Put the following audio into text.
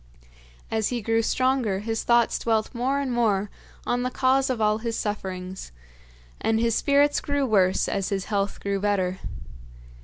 As he grew stronger, his thoughts dwelt more and more on the cause of all his sufferings, and his spirits grew worse as his health grew better.